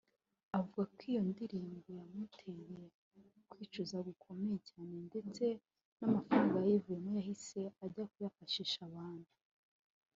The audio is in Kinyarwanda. avugako iyo ndirimbo yamuteye kwicuza gukomeye cyane ndetse namafaranga yayivuyemo yahise ajya kuyafashisha abantu